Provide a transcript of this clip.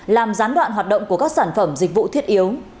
làm gián đoạn hoạt động của các sản phẩm dịch vụ thiết yếu